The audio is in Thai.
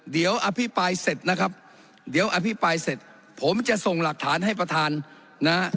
เดี๋ยวอภิปรายเสร็จนะครับเดี๋ยวอภิปรายเสร็จผมจะส่งหลักฐานให้ประธานนะฮะ